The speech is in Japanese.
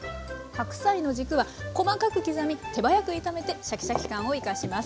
白菜の軸は細かく刻み手早く炒めてシャキシャキ感を生かします。